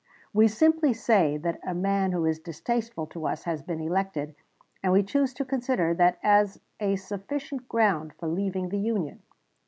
"We simply say that a man who is distasteful to us has been elected and we choose to consider that as a sufficient ground for leaving the Union."